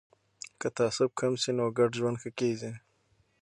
که تعصب کم سي نو ګډ ژوند ښه کیږي.